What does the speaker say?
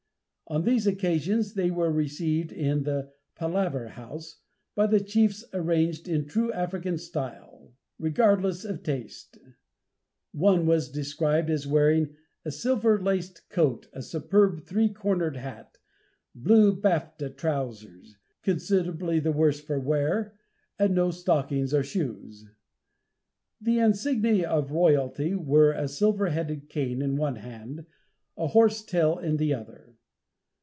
On these occasions they were received in the "palaver house," by the chiefs arranged in true African style, regardless of taste. One was described as wearing "a silver laced coat, a superb three cornered hat, blue bafta trousers, considerably the worse for wear, and no stockings or shoes." The insignia of royalty were a silver headed cane in one hand, a horse tail in the other.